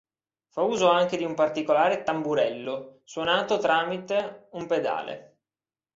Fa uso anche di un particolare "tamburello" suonato tramite un pedale.